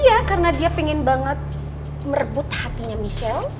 iya karena dia pengen banget merebut hatinya michelle